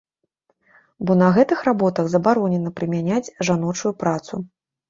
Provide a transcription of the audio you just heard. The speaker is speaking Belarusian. Бо на гэтых работах забаронена прымяняць жаночую працу.